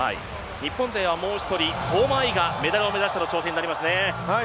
日本勢はもう一人相馬あいがメダルを目指しての挑戦となりますね。